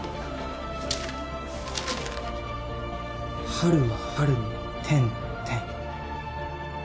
「春は春に天・天」